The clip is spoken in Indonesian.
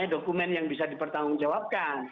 dokumen yang bisa dipertanggung jawabkan